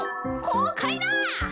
こうかいな。